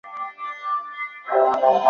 莱雷是德国下萨克森州的一个市镇。